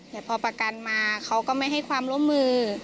แต่พอประกันมาเขาก็ไม่ให้ความร่วมมือ